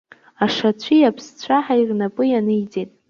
Ашацәи аԥсцәаҳаи рнапы ианиҵеит.